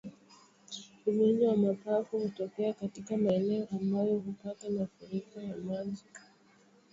Ugonjwa wa mapafu hutokea katika maeneo ambayo hupata mafuriko ya maji